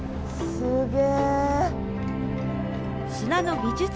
すげえ。